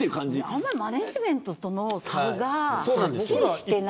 あんまりマネジメントとの差がはっきりしていない。